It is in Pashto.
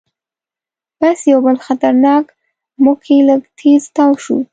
بس یو بل خطرناک موړ کې لږ تیز تاو شو.